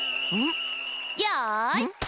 よい。